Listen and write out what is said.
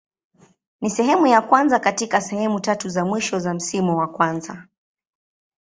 Ni sehemu ya kwanza katika sehemu tatu za mwisho za msimu wa kwanza.